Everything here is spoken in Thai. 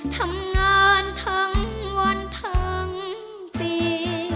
ทำงานทั้งวันทั้งปี